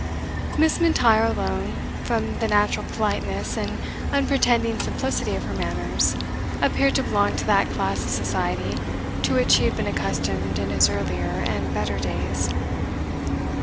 Miss M'Intyre alone, from the natural politeness and unpretending simplicity of her manners, appeared to belong to that class of society to which he had been accustomed in his earlier and better days.